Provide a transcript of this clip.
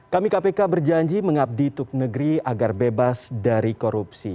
kami kpk berjanji mengabdi tuk negeri agar bebas dari korupsi